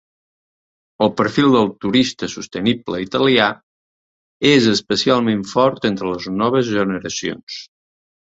El perfil del turista sostenible italià és especialment fort entre les noves generacions.